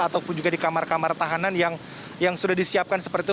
ataupun juga di kamar kamar tahanan yang sudah disiapkan seperti itu